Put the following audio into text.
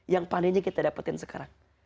yang palingnya kita dapatkan sekarang